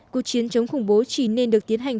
cuộc chiến chống khủng bố chỉ nên được tiến hành